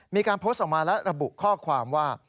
มีการโพสต์ออกมาและระบุข้อความว่า